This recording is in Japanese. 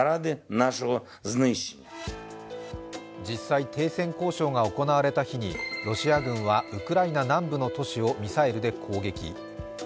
実際、停戦交渉が行われた日にロシア軍はウクライナ南部の都市をミサイルで攻撃。